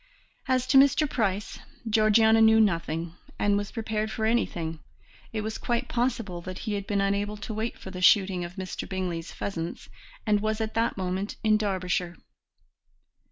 As to Mr. Price, Georgiana knew nothing, and was prepared for anything; it was quite possible that he had been unable to wait for the shooting of Mr. Bingley's pheasants and was at that moment in Derbyshire.